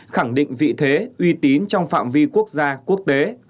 khẳng định vị thế uy tín trong phạm vi quốc gia quốc tế